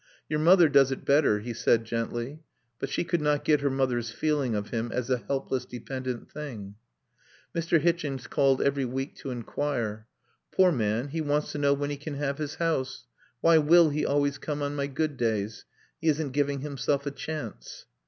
"Your mother does it better," he said gently. But she could not get her mother's feeling of him as a helpless, dependent thing. Mr. Hichens called every week to inquire. "Poor man, he wants to know when he can have his house. Why will he always come on my good days? He isn't giving himself a chance."